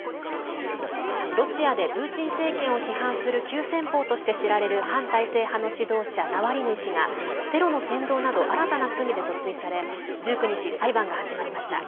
ロシアでプーチン政権を批判する反体制派の指導者ナワリヌイ氏がテロの扇動など新たな罪で訴追され１９日、裁判が始まりました。